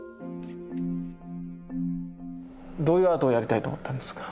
どういうアートをやりたいと思ったんですか？